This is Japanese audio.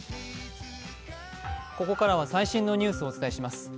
ここからは最新のニュースをお伝えします。